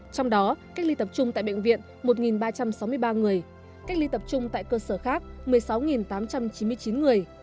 trong đó cách ly tập trung tại bệnh viện một ba trăm sáu mươi ba người cách ly tập trung tại cơ sở khác một mươi sáu tám trăm chín mươi chín người